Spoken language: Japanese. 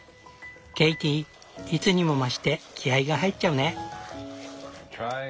ケイティいつにも増して気合いが入っちゃうね。